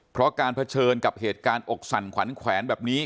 เพราะการเผชิญกับเหตุการณ์อกสั่นขวัญแขวนแบบนี้